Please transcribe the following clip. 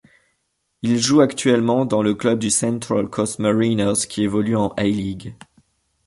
Il joue actuellement dans le club du Central Coast Mariners qui évolue en A-League.